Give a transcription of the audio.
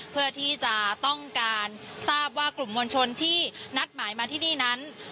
เพื่อที่จะต้องการทราบว่ากลุ่มมวลชนที่นัดหมายมาที่นี่นั้น